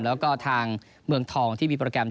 แล้วก็ทางเมืองทองที่มีโปรแกรม